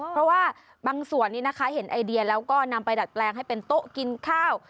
เพราะว่าบางส่วนนี้นะคะเห็นไอเดียแล้วก็นำไปดัดแปลงให้เป็นโต๊ะกินข้าว